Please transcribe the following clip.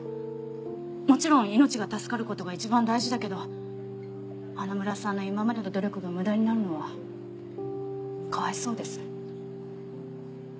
もちろん命が助かる事が一番大事だけど花村さんの今までの努力が無駄になるのはかわいそうです。